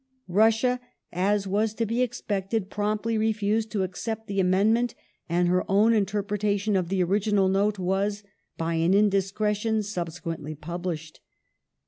Russia, as was to be expected, promptly refused to accept the amendment, and her own interpretation of the original Note was, by an indiscretion, subse quently published.